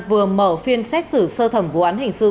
vừa mở phiên xét xử sơ thẩm vụ án hình sự